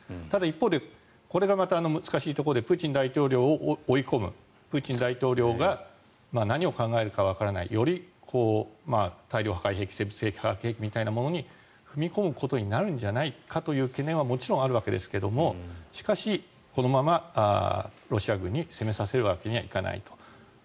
ただ一方でこれがまた難しいところでプーチン大統領を追い込むプーチン大統領が何を考えるかわからないより大量破壊兵器、生物兵器化学兵器みたいなものに踏み込むことになるんじゃないかという懸念はもちろんあるわけですがしかし、このままロシア軍に攻めさせるわけにはいかないと。